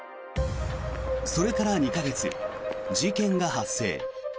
それから２か月事件が発生。